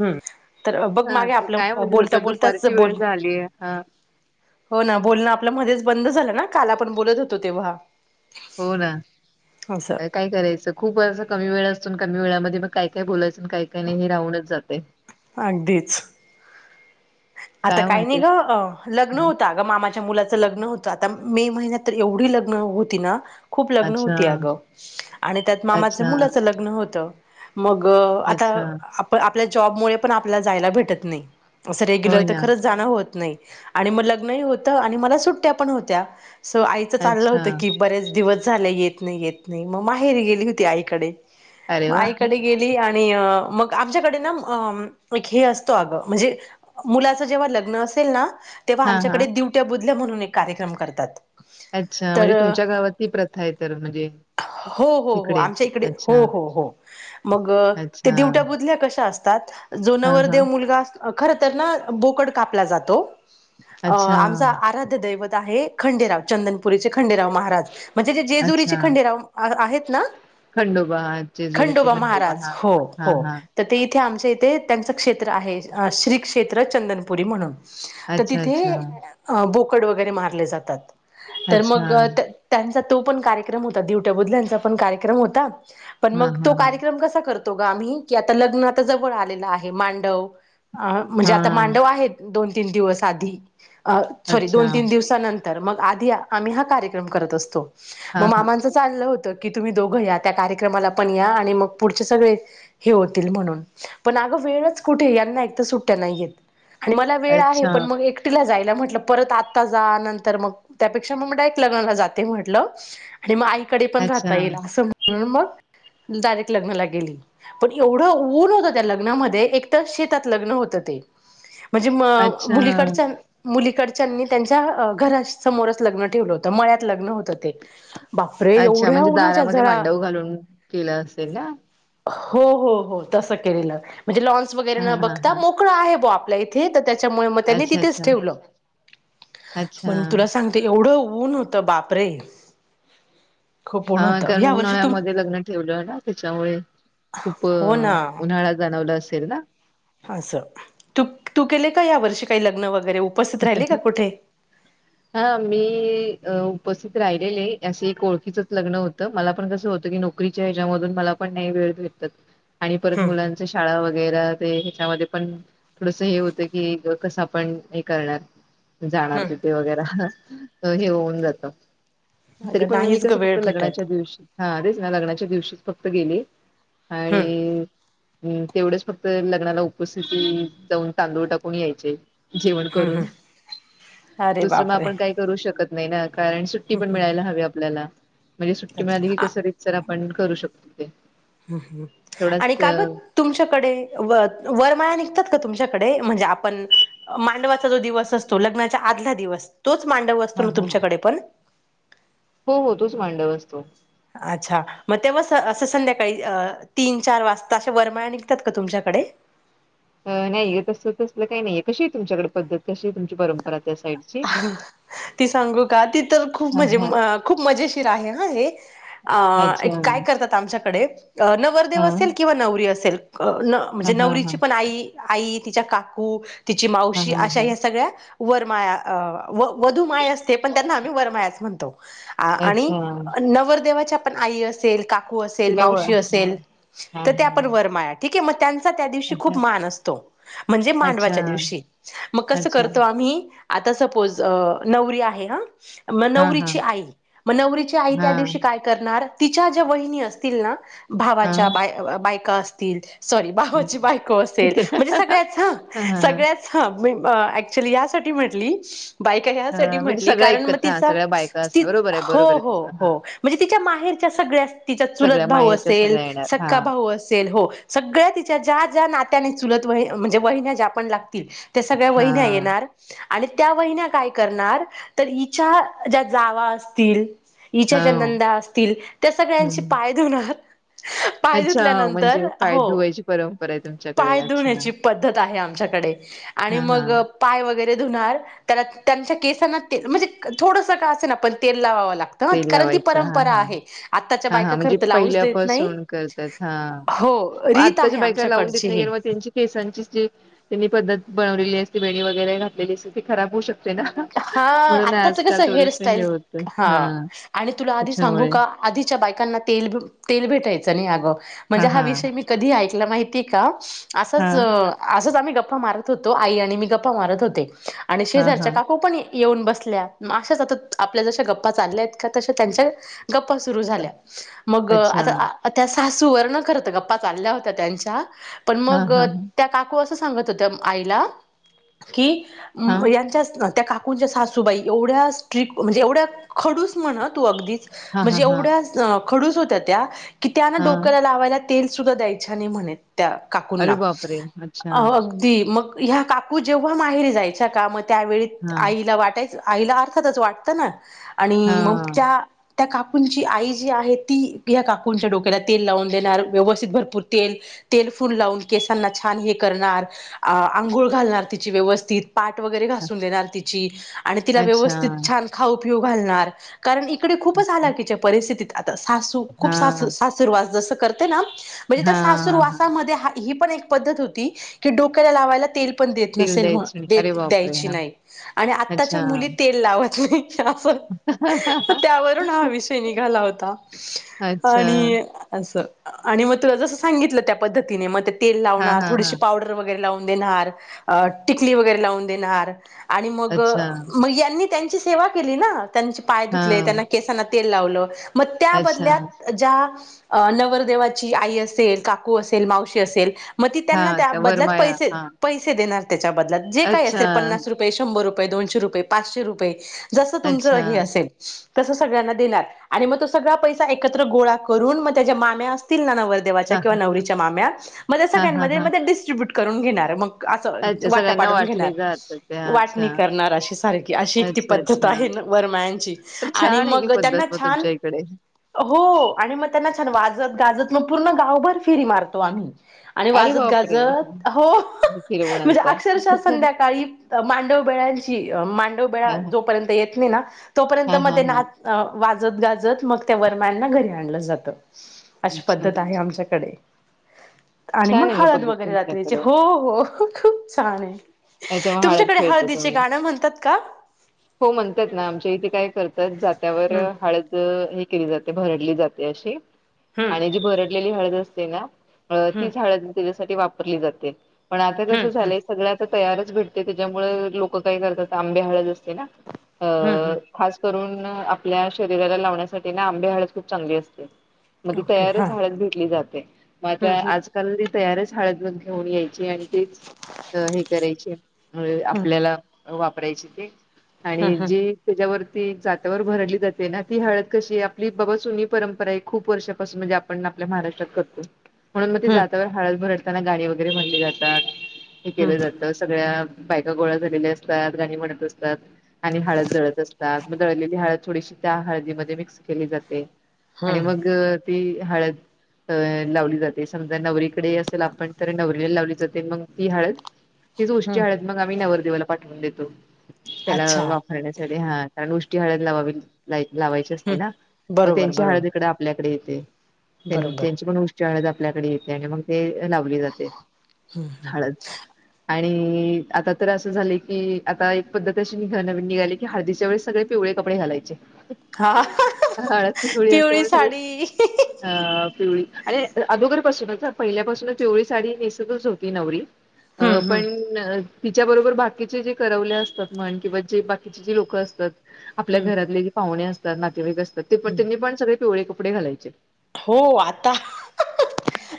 हम् तर बघ हा मागे तू आपलं काय म्हणतेस बोलता आता बोलताच दुपारची वेळ बोल झालीय हा हो ना बोलणं आपल मध्येच बंद झाल ना काल आपण बोलत होतो तेव्हा. हो ना असं काय करायचं खूप अस कमी वेळ असतो कमी वेळामध्ये म काय-काय बोलायचं काय-काय नाही हे राहूनच जातय. अगदीच. आता काय काही नाही म्हणतेस ग लग्न हा. होत आज. मामाच्या मुलाच लग्न होत आता मे महिन्यात तर एवढी लग्न होती ना खूप लग्न अच्छा होती अगं आणि त्यात मामाच्या अच्छा मुलाचं लग्न होत. मग आता अच्छा आप आपल्या जॉब मुळे पण आपल्याला जायला भेटत नाही असं रेग्युलर होय तर ना खरंच जाणं होत नाही आणि म लग्न होत आणि मला सुट्या पण होत्या. सो आईच चाललं अच्छा होतं की बऱ्याच दिवस झाले येत नाही येत नाही मग माहेर गेली होती आईकडे. अरे वा आईकडे गेली आणि मग आमच्याकडे ना एक हे असतो अग म्हणजे मुलाच जेव्हा लग्न असेल ना तेव्हा हा हा आमच्याकडे दिवट्या बुधल्या म्हणून एक कार्यक्रम करतात. अच्छा तर म्हणजे तुमच्या गावातली प्रथा आहे तर म्हणजे हो हो हो तिकडे आमच्या इकडे अच्छा हो हो हो. मग ते अच्छा दिवट्या बुधल्या कशा असतात? जो हा हा नवरदव मुलगा खरच तर ना, बोकड कापला जातो. अच्छा आमचा आराध्य दैवत आहे खंडेराव चंदनपुरीचे खंडेराव महाराज. म्हणजे जे जेजुरीचे अच्छा खंडेराव आहेत ना. खंडोबा हा, जेजुरीचे खंडोबा महाराज हा हो हा हो. हा त ते इथे आमच्या इथे त्यांचं क्षेत्र आहे. श्री क्षेत्र चंदनपुरी म्हणून. तर अच्छा तिथे अच्छा बोकड वगैरे मारले जातात. तर अच्छा मग त्यांचा तो पण कार्यक्रम होता. दिवट्या बुधल्यांचा पण कार्यक्रम होता. पण हा मग तो हा हा कार्यक्रम कसा करतो दोघ आम्ही, की लग्न आता जवळ आलेल आहे. मांडव म्हणजे आता हा मांडव आहेत. दोन तीन दिवस आधी. सॉरी अच्छा दोन तीन दिवसानं तर. मग आधी आम्ही हा कार्यक्रम करत असतो. हा मग हा मामांचं चाललं होतं की, तुम्ही दोघं या. त्या कार्यक्रमाला पण या आणि मग पुढचे सगळे हे होतील म्हणून. पण अगं वेळच कुठे? यांना एक तर सुट ट्ट्या नाहीयेत. मला वेळ आहे अच्छा पण मग एक टी जायला. म्हटलं परत आता जा नंतर मग त्यापेक्षा मग मी डायरेक्ट लग्नाला जाते म्हटलं. आणि मग आईकडे पण राहता अच्छा येईल असं. म्हणून मग डायरेक्ट लग्नाला गेली. पण एवढं ऊन होतं त्या लग्नामध्ये. एक तर शेतात लग्न होतं. ते. म्हणजे म अच्छा मुलीकडच्या मुलीकडच्यांनी त्यांच्या घरा समोरच लग्न ठेवलं होतं. मळ्यात लग्न होत ते. बापरे अच्छा, एवढ्या म्हणजे उन्हाच्या दारामध्ये झळा मांडव घालून केल असेल ना? हो-हो-हो तसं केलेलं. म्हणजे लॉन्स वगैरे हा न हा बघता हा मोकळा आहे बा आपल्या इथ. तिथे त त्याच्यामुळे मग त्यांनी अच्छा तिथेच अच्छा ठेवलं. अच्छा पण तुला सांग ते. एवढं ऊन होतं बापरे. खूप ऊन हा होतं कारण या वर्षी तू उन्हाळ्यामध्ये लग्न ठेवलं ना त्याच्यामुळे. खूप हो ना उन्हाळा जाणवला असेल ना? असं. तू तू केले का यावर्षी काही लग्न वगैरे उपस्थित राहिले का कुठे? [inaudible] हा मी उपस्थित राहिलेले. असं एक ओळखीचंच लग्न होतं. मला पण कसं होतं की नो करीच्या ह्याच्यामधून मला पण नाही वेळ भेटत. [inaudible] आणि परत मुलां शाळा वगैरा. ते ह्याच्यामध्ये पण थोडस हे होत की, कसं आपण करणार. जाणार तिथे हम्म वगैरा. हे होऊन जात. तरी अगं पण मी नाहीच ग कसं वेळ फक्त भेटत लग्नाच्या दिवशी हा तेच ना. ग्नाच्या दिवशीच फक्त गेली हम्म आणि तेवढेच फक्त लग्नाला उपस्थिती. जाऊन तांदूळ टाकून यायचे. जेवण हम्म करून. हम्म अरे दुसर म बापरे आपण काय करू शकत नाही ना. कारण सुट्टी पण मिळायला हवी आपल्याला. म्हणजे सुट्टी मिळाली अच्छा की आ- कस तर आपण करू शकतो ते. हम्म हम्म. तेवढाच आणि काग? तुमच्याकडे व वरमाया निघतात का तुमच्याकडे? म्हणजे आपण मांडवाचा जो दिवस असतो. लग्नाचा आधला दिवस. तोच मांडव असतो हा ना, हा हा. तुमच्याकडे पण? हो हो तोच मांडव असतो. अच्छा, मग तेव्हा असं संध्याकाळी तीन चार वाजता अशा वरमाया निघतात का तुमच्याकडे? नाही तस तसलं काही नाहीये. कशीय तुमच्याकडे पद्धत? कशीय तुमची परंपरा? त्या साईडची? ती सांगू का ती तर खूप हा मजे हा खूप मजेशीर आहे हा हे आ एक अच्छा काय करतात आमच्याकडे नवरदेव हा. असेल किंवा नवरी असेल अ न म हा म्हणजे हा हा नवरीची पण आई आई तिच्या काकू तिची हा मावशी हा अशा हा या सगळ्या वरमाळा अ व वधू माय असते पण त्यांना आम्ही वरमायाच म्हणतो. आ आणि अच्छा नवरदेवाच्या पण आई असेल का काकू असेल तिला ओळ मावशी हा असेल हा तर त्या हा पण वरमाया ठीक हे म त्यांचा त्या दिवशी अच्छा खूप मान असतो. म्हणजे अच्छा मांडवाच्या दिवशी मग कसं अच्छा करतो आम्ही आता सपोज नवरी आहे हा म हा हा नवरीची आई म नवरीची आई हा त्या दिवशी काय करणार तिच्या ज्या वहिनी असतील ना हा हा भावाच्या बा बायका असतील तर सॉरी भावाची बायको असेल म्हणजे सगळ्याच हं हा सगळ्याच हं मी अ‍ॅक्च्युअली यासाठी म्हणटली. बायका ह्यासाठी हा म्हणजे म्हंटली सगळ्या कारण मग ऐकत हा तिचा सगळ्या बायका ती असण बरोबर आहे हो बरोबर आहे हो तुझं हा हो म्हणजे तिच्या माहेरच्या सगळ्या तिचा चुलत सगळ्या भाऊ माहेरच्या असेल सगळ्या येणार हा सक्का भाऊ असेल हो सगळ्या तिच्या ज्या ज्या नात्याने चुलत वहि म्हणजे वहिन्या ज्या पण लागतील त्या सगळ्या हा वहिन्या येणार. आणि त्या वहिन्या काय करणार तर हिच्या ज्या जावा असतील हिच्या हा ज्या नंदा असतील त्या सगळ्यांचे हम्म पाय धुणार पाय अच्छा धुतल्यानंतर, म्हणजे पाय हो धुवायची परंपरा आहे तुमच्याकडे पाय अच्छा धुण्याची पद्धत आहे आमच्याकडे आणि हा हा मग पाय वगैरे धुणार कारण त्यांच्या केसांना ते म्हणजे थोडंसं का असेना पण तेल लावावं लागत धुतात तेल कारण ती लावायचं हा परंपरा हा आहे आताच्या हा बायका हा खर म्हणजे तर लावूच देत नाही पहिल्यापासून करतात हा हो रीत आहे आत्ताच्या बायका लावून देत आमच्याकडची नाही ही कारण मग त्यांची केसांची स्ट्रीप त्यांनी पद्धत बनवलेली असते वेणी वगैरे घातलेली असते ती खराब होऊ शकते. ना हा म्हणून आत्ताच आजकाल कसं थोडस हे हेअरस्टाईल होतं. हा आणि तुला आधी सांगू त्याच्यामुळे का आधीच्या बायकांना तेल तेल भेटायचं नाही अगं म्हणजे हा विषय मी कधी ऐकला माहिती का हा असंच असंच आम्ही गप्पा मारत होतो आई आणि मी गप्पा मारत होते आणि हा शेजार हा काकू पम ण येऊन बसल्या अशाच आता आपल्या जश्या गप्पा चालल्या आहेत का तशा त्यांच्या गप्पा सुरू झाल्या मग अच्छा आता त्या सासू वरन खरं तर गप्पा चालल्या होत्या त्यांच्या पण हा मग हा त्या का कू अस सांगत होत्या आईला की हा यांच्या त्या काकूंच्या सासूबाई एवढ्या स्ट्रिक म्हणजे एवढ्या खडूस म्हणा तू अगदीच हा हा म्हणजे हा एवढ्या खडूस होत्या त्या की त्यान हा डोक्याला लावायला तेल सुद्धा द्यायच्या नाही म्हणे त्या अरे काकूंना बापरे अच्छा अ अ ती मग ह्या काकू जेंव्हा माहेरी जायच्या का मग त्यावेळी हा आईला वाटाय आईला अर्थातच वाटत ना हा आणि मग त्या त्या काकूंची आई जी आहे ती ह्या काकूंच्या डोक्याला तेल लावून देणार व्यवस्थित भरपूर तेल तेल फूल लावून केसांना छान हे करणार अ आंघोळ घालणार तिची व्यवस्थित पाठ वगैरे धुवून देणार तिची आणि तिला अच्छा व्यवस्थित छान खाऊ पिऊ घालणार कारण इकडे खूपच हालाकीच्या परिस्थितीत आता सासू खूप हा सासू स सासूरवास जस करते ना म्हणजे त्या हा हा सासूरवासामध्ये ह ही पण एक पद्धत होती की डोक्याला लावायला तेल पण देत तिल नसेल म्हणून द्यायची दे अरे द्या बापरे हा नाही आणि आताच्या अच्छा मुली तेल लावत नाही आस. मग त्यावरून हा विषय निघाला होता अच्छा आणि असं. आणि मग तुला जसं सांगितलं त्या पद्धतीने मग ते तेल हा लावणार हा हा थोडीशी पावडर वगैरे लावून देणार. टिकली वगैरे लावून देणार आणि मग अच्छा मग यांनी त्यांची सेवा केली ना त्यांचे पाय धुतले हा त्यांना केसांना तेल लावलं मग त्या अच्छा बदल्यात ज्या नवरदेवाची आई असेल काकू असेल मावशी असेल. मग ती हा त्यांना त्या बदल्यात वरमाया पैसे हा पैसे देणार त्याच्या बदल्यात मग जे काय अच्छा असेल ते. शंभर रुपये दोनशे रुपये पाचशे रुपये जसं तुमचं अच्छा हे असेल. तस सगळ्यांना देणार आणि मग तो सगळा पैसा एकत्र गोळा करून मग त्याच्या माम्या असतील ना नवर नवरदेवाच्या हा किंवा हा नवरीच्या माम्या मग ते हा हा सगळ्यांमध्ये हा डिस्टब्युट करून घेणार. असं वाटा पाडून घेणार. ह [unintelligible] वाटणी करणार अशी सारखी अशी एक ती अच्छा पद्धत अच्छा आहे वरमायांची. तर आणि छान आहे की मग पद्धत त्यांना मग छान तुमच्या इकडे हो आणि मग त्यांना छान वाजत गाजत मग पूर्ण गावभर फिरी मारतो आम्ही. आणि अरे वाजत बापरे गाजत हं. हो फिरवून म्हणजे आणता अक्षरशः संध्या मांडव बेळ्यांची मांडव हा बेळा जोपर्यंत येत नाही ना तोपर्यंत हा मग हा ते हा नाच अ वाजत गाजत मग त्या वरमयांना घरी आणल जात. अशी अच्छा पद्धत आहे आमच्याकडे. आणि मग छान आहे ना हळद पद्धत वगैरे रात्रीचे तुमच्याकडे हो हो खूप छान आहे. याच्यामुळे हाळद तुमच्याकडे खेळतो हळदीचे सगळे गाणं म्हणतात का? हो म्हणतात ना आमच्या इथे काय करतात जात्यावर हम्म हळद हे केली जाते भरडली जाते अशी हम्म आणि जी भरडलेली हळद असते ना हम्म तीच हाळद त्याच्यासाठी वापरली जाते पण आता कसं हम्म हम्म झालंय सगळ्यात तर तयारच भेटते त्याच्यामुळे लोक काय करतात आंबे हळद असते ना अ हम्म हम्म खास करून आपल्या शरीराला लावण्यासाठी ना आंबे हाळद खूप चांगली असते. मग ती ओके हा तयारच हळद घेटली जाते मग हम्म त्या हम्म आजकाल ती तयारच हळद घेऊन यायचे आणि तेच हे करायचे हम्म आपल्याला. वापरायची ती हं आणि हं जी त्याच्यावरती जात्यावर भरडली जाते ना ती हळद कशी आहे आपली बाबा जुनी परंपरा आहे खूप वर्षापासून म्हणजे आ पण आपल्या महाराष्ट्रात करतो. म्हणून मग ते हं जात्यावर हळद भरडताना गानि वगैरे म्हणली जातात हे हं केलं जात. तर सगळ्या बायका गोळ्या झालेल्या असतात गाणी म्हणत असतात. आणि हळद दळत असतात मग दळलेली हळद थोडीशी त्या हळदीमध्ये मिक्स केली जाते. आणि हं मग ती हळद अ लावली जाते समजा नवरीकडे असेल आपण तर नवरीला लावली जाते मग ती हळद तीच उष्टी हं हळद मग आम्ही नवरदेवाला पाठवून देतो त्याला अच्छा वा करण्यासाठी ह कारण उष्टी हळद ला लावायची असते हं ना मग बरोबर त्यांची हळद बरोबर इकड आपल्याकडे येते बरोबर त्यांची पण उष्टी हळद आपल्याकडे येते. आणि मग ते लावली जाते हाळद. आणि आता तर असं झाले की आता एक पद्धत अशी निघ नवीन निघाली की हळदीच्या वेळेस सगळे. पिवळे कपडे घालायचे हा हळद पिवळी असते सगळे अ पिवळी आणि अगोदरपासूनच पहिल्यापासूनच पिवळी साडी नेसतच होती नवरी. अ हम्म हम्म पणं तिच्यां बरोबर बाकीचे जे करवले असतांत म्हंण किंवा जे बाकीचे जे लोकं असतांत आपल्या हम्म घरांतले जे पाहुणे असतांत नातेवाईक असतांत ते पणं हम्म त्यांनी पणं सगळे पिवळे कपडे घालांयचे हो आंता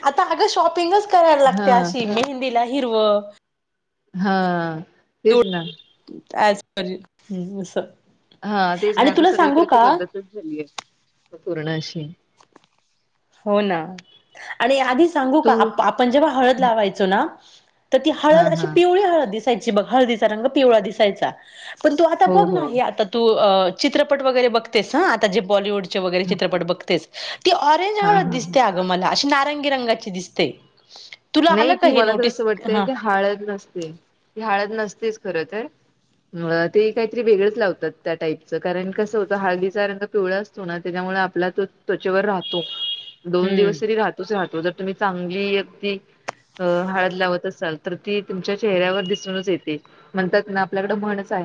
आंता अगं शॉपिंगच करांयला हा लागते अशी मेहंदीला हिरवं हां तेचं नां आंजप हम्मं तसं हां तेचं नाहीं आंता सगळीकडेच त पद्धतचं झाली आहे पुरणांची हो नां आणि आंधी सांगू तू कां आपणं जेंव्हा हळंद लावायचो नां तरं ती हा हळंद अशी हा पिवळी हळंद दिसायची बघं हळदीचा रंग पिवळा दिसायंचा पणं तूं आंता हो बघं हो नां हे आंता तूं चित्रपट वगैरें बघतेस हं आंता जे बॉलिवूड वगैरें हा हा चित्रपट बघतेस ते ऑरेंज हा हांय हा दिसते अगं ती नारंगी रंगाची दिसते तुला आलं नाहीं का ती हे मलां तरं नोटीस कसं वाटतंय हा ते हांळद नसते ती हांळद नसतेच खरं आहे ते कांहीतरी वेगळंच लावतांत त्यां टाईपचं कारणं कसं होतं हळदीचा रंग पिवळा असतं नां त्यांच्यामुळे आपलां तो त्वच्यांवर राहतो दोन हम्म दिवसं जरी राहतोच राहतो जरं तुम्हीं चांगली अगदीं अं हळंद लावतं असांल तरं ती तुमच्यां चेहऱ्यांवर दिसूनच येते म्हणतांत नां आपल्याकडं म्हणंच आहे